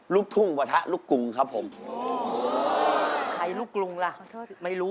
ลูกทุ่งวะทะลูกกุงครับผมใครลูกกุงล่ะขอโทษ